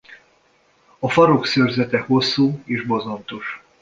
A farok szőrzete hosszú és bozontos.